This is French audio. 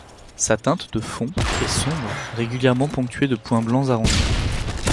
Sa teinte de fond est sombre, régulièrement ponctuée de points blancs arrondis.